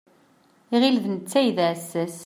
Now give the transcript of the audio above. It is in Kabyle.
Iɣil d netta i d aɛessas.